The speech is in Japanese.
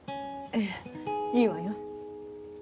ええいいわよ。